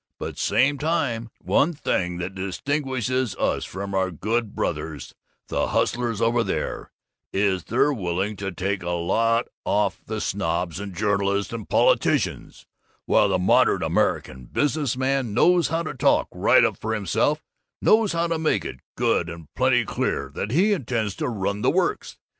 But same time, one thing that distinguishes us from our good brothers, the hustlers over there, is that they're willing to take a lot off the snobs and journalists and politicians, while the modern American business man knows how to talk right up for himself, knows how to make it good and plenty clear that he intends to run the works.